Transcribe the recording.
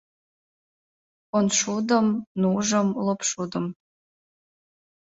Коншудым, нужым, лопшудым...